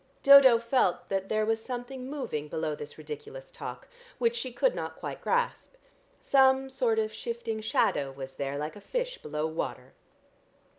Dodo felt that there was something moving below this ridiculous talk, which she could not quite grasp. Some sort of shifting shadow was there, like a fish below water....